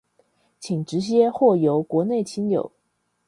請直接或由國內親友